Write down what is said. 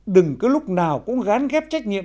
đừng cứ lúc nào cũng gán ghép trách nhiệm